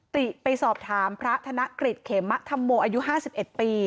ติไปสอบถามพระธนกฤษเขมะธัมโมอายุห้าสิบเอ็ดปี